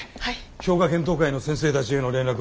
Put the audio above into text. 評価検討会の先生たちへの連絡は俺がやる。